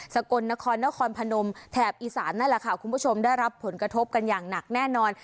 กลนครนครพนมแถบอีสานนั่นแหละค่ะคุณผู้ชมได้รับผลกระทบกันอย่างหนักแน่นอน